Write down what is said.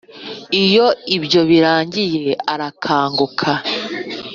Iyo ibyo birangiye arakanguka,